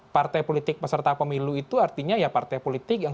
partai politik peserta pemilu itu artinya ya partai politik yang